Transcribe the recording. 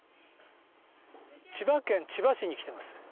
千葉県千葉市に来てます。